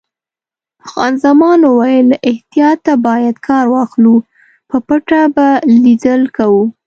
خان زمان وویل: له احتیاطه باید کار واخلو، په پټه به لیدل کوو.